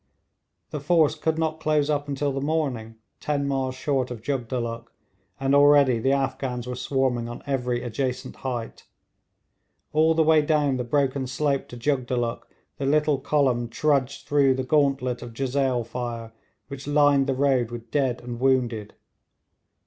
The force could not close up until the morning, ten miles short of Jugdulluk, and already the Afghans were swarming on every adjacent height. All the way down the broken slope to Jugdulluk the little column trudged through the gauntlet of jezail fire which lined the road with dead and wounded.